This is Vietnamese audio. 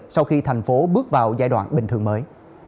sau khi thành phố bước vào giai đoạn bình thường mới